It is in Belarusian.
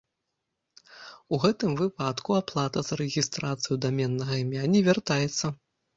У гэтым выпадку аплата за рэгістрацыю даменнага імя не вяртаецца.